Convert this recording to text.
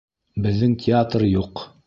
Беҙҙең театр юҡ!